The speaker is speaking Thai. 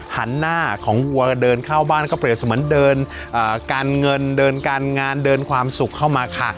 หันหน้าของวัวเดินเข้าบ้านก็เปรียบเสมือนเดินการเงินเดินการงานเดินความสุขเข้ามาค่ะ